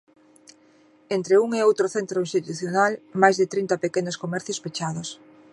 Entre un e outro centro institucional, máis de trinta pequenos comercios pechados.